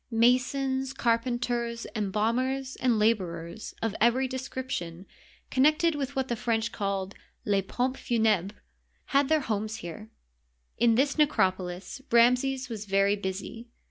Masons, carpenters, embalmers, and laborers of every description connected with what the French call " les pompes funhbres " had their homes here. In this necropolis Ramses was very busy.